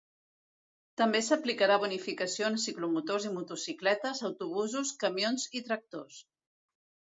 També s’aplicarà bonificació en ciclomotors i motocicletes, autobusos, camions i tractors.